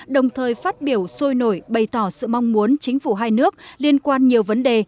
đồng thời phát biểu sôi nổi bày tỏ sự mong muốn chính phủ hai nước liên quan nhiều vấn đề